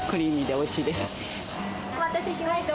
お待たせしました。